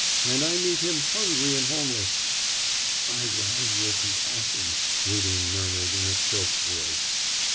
and I meet him hungry and homeless....' 'I rouse your compassion,' Rudin murmured in a choked voice.